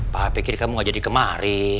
paha pikir kamu gak jadi kemari